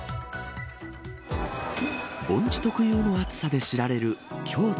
盆地特有の暑さで知られる京都。